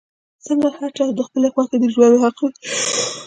څنګ چې هر چا ته د خپلې خوښې د ژوند حق دے